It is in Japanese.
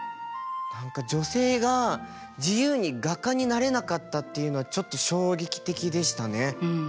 何か女性が自由に画家になれなかったというのはちょっと衝撃的でしたね。